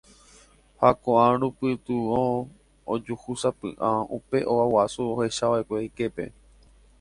Ha ka'arupytũvo ojuhúsapy'a upe óga guasu ohechava'ekue iképe.